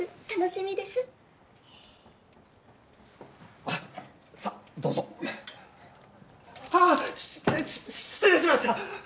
し失礼しました！